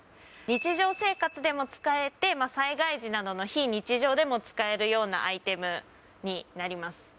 日常生活でも使えて、災害時などの非日常でも使えるようなアイテムになります。